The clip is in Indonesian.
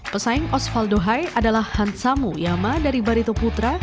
pesaing osvaldo hai adalah hansa muyama dari barito putra